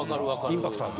インパクトある。